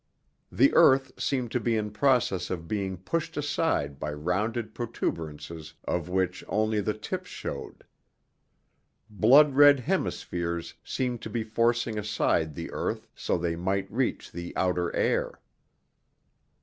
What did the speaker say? The earth seemed to be in process of being pushed aside by rounded protuberances of which only the tips showed. Blood red hemispheres seemed to be forcing aside the earth so they might reach the outer air.